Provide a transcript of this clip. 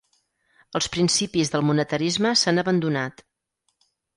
Els principis del monetarisme s'han abandonat.